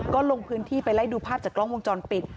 ก็ลงพื้นที่ไปไล่ดูภาพจากกล้องวงจรปิด